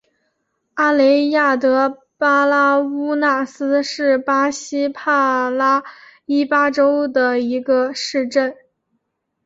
阿雷亚德巴拉乌纳斯是巴西帕拉伊巴州的一个市镇。